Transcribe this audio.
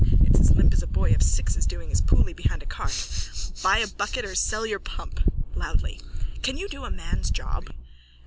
It's as limp as a boy of six's doing his pooly behind a cart. Buy a bucket or sell your pump. (Loudly.) Can you do a man's job?